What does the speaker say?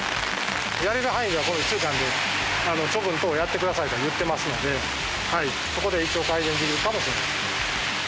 やれる範囲ではこの１週間で処分等をやってくださいとは言ってますのでそこで一応改善できるかもしれないです。